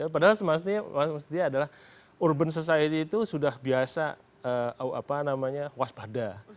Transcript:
padahal maksudnya urban society itu sudah biasa waspada